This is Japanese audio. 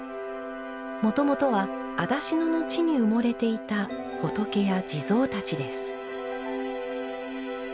もともとは化野の地に埋もれていた仏や地蔵たちです。